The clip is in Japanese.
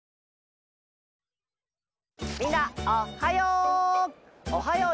みんなおはよう！